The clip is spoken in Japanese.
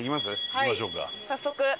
行きましょうか。